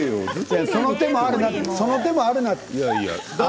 その手もあるなって。